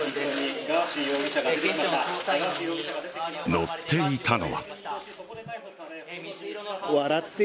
乗っていたのは。